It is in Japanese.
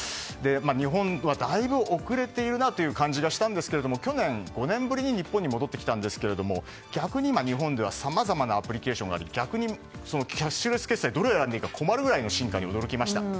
日本とはだいぶ遅れているなという感じがしたんですが去年、５年ぶりに日本に戻ってきまして逆に日本ではさまざまなアプリケーションがあり逆にキャッシュレス決済どれにすればいいか困るぐらいの進化に驚きました。